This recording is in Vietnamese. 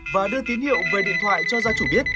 và đưa tín hiệu về điện thoại cho gia chủ biết